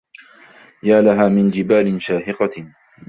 يالها من جبال شاهقة